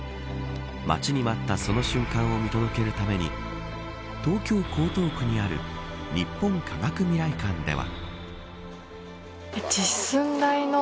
待ちに待ったその瞬間を見届けるために東京、江東区にある日本科学未来館では。